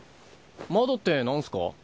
「窓」ってなんすか？